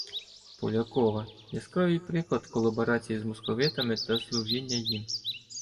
Полякова - яскравий приклад колаборації з московитами та служіння їм.